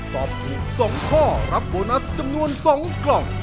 ตอบถูก๒ข้อรับโบนัสจำนวน๒กล่อง